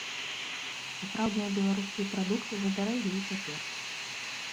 Сапраўдныя беларускія прадукты задарагія цяпер.